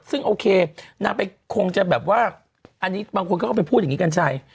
ซึ่งโอเคนางไปคงจะแบบว่าอันนี้บางคนเขาก็ไปพูดอย่างนี้กัญชัย